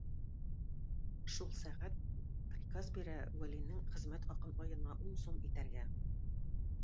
Шул сәгать приказ бирә Вәлинең хезмәт хакын аена ун сум итәргә.